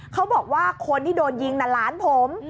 เขาบอกว่าคนที่โดนยิงน่ะหลานผม